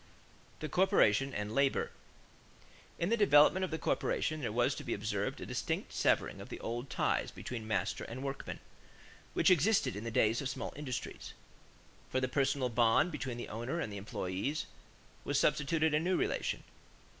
=The Corporation and Labor.= In the development of the corporation there was to be observed a distinct severing of the old ties between master and workmen, which existed in the days of small industries. For the personal bond between the owner and the employees was substituted a new relation.